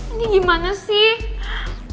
ini gimana sih